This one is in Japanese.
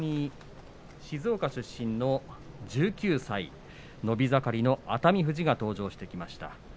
土俵に静岡県出身の１９歳伸び盛りの熱海富士が登場しました。